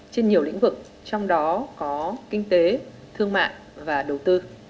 trên nhiều lĩnh vực trong đó có kinh tế thương mại và đầu tư